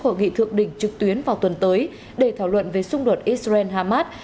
hội nghị thượng đỉnh trực tuyến vào tuần tới để thảo luận về xung đột israel harmat